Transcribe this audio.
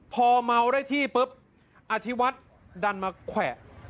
พอเมาได้ที่ปุ๊บอธิวัฒน์ดันมาแขวะ